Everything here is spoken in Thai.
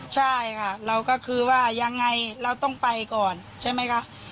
ใช่ค่ะเราก็คือว่ายังไงเราต้องไปก่อนใช่ไหมคะ